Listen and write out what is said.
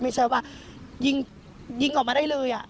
ไม่ใช่ว่ายิงออกมาได้เลย